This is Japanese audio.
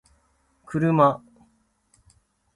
kuruma